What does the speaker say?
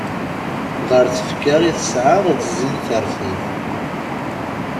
Ɣer tfekka i tesɛa d zzin terfed.